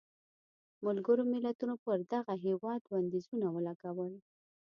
ملګرو ملتونو پر دغه هېواد بندیزونه ولګول.